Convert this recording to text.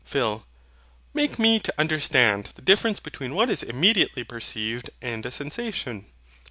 PHIL. Make me to understand the difference between what is immediately perceived and a sensation.